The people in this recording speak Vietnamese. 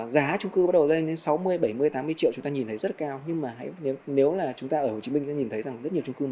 giá trung cư bình dân dưới ba mươi triệu đồng mỗi mét vuông tăng giá một mươi hai so với tháng trước